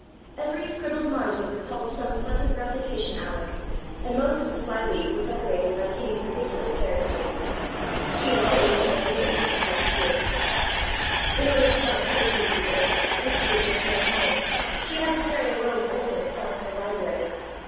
Every scribbled margin recalled some pleasant recitation hour, and most of the fly leaves were decorated by Kitty's ridiculous caricatures. She and Kitty had been room mates this last year. In order to find place for these books, which she had just brought home, she had to carry a row of old ones down to the library.